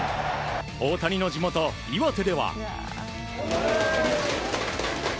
大谷の地元・岩手では。